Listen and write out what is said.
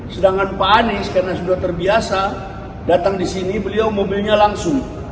sedangkan pak anies karena sudah terbiasa datang di sini beliau mobilnya langsung